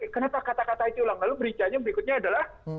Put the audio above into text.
kenapa kata kata itu ulang lalu mericanya berikutnya adalah